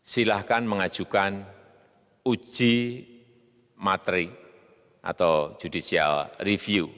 silahkan mengajukan uji materi atau judicial review